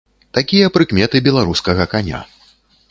Такія прыкметы беларускага каня.